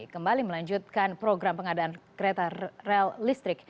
kembali melanjutkan program pengadaan kereta rel listrik